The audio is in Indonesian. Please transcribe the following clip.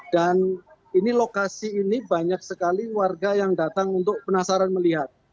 dan ini lokasi ini banyak sekali warga yang datang untuk penasaran melihat